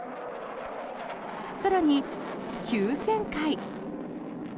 更に、急旋回。